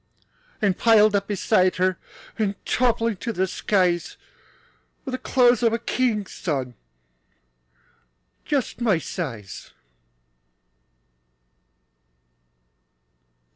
And piled up beside her And toppling to the skies, Were the clothes of a king's son, Just my size.